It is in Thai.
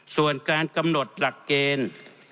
ส่วนการกำหนดหลักเกณฑ์